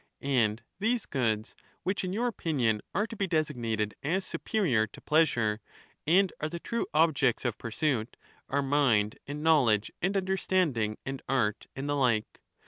And these goods, which in your opinion are to be designated as superior to pleasure, and are the true objects of pursuit, are mind and knowledge and understanding and art, and the like.